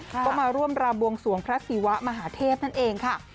ก็มาร่วมรำบวงสวงพระศิวะมหาเทพนั่นเองค่ะ